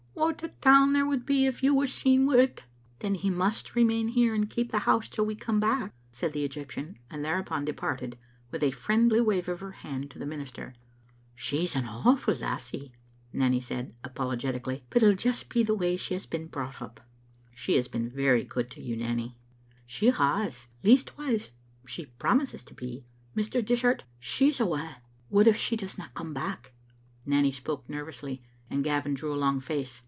"What a town there would be if you was seen wi't!" " Then he must remain here and keep the house till we come back," said the Egyptian, and thereupon departed, with a friendly wave of her hand to the minister. "She's an awfu' lassie," Nanny said, apologetically, " but it'll just be the way she has been brought up," " She has been very good to you, Nanny." Digitized by VjOOQ IC TTo tbe HQLomatt'e pipftto* tar *'She has; leastwise, she promises to be. Mr. Dish art, she's awa* ; what if she doesna come back?" Nanny spoke nervously, and Gavin drew a long face.